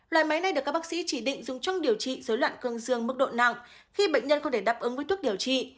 loại máy này được các bác sĩ chỉ định dùng trong điều trị dối loạn cương dương mức độ nặng khi bệnh nhân không để đáp ứng với thuốc điều trị